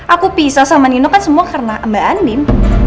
aku pisah sama nino kan semua karena mbak andin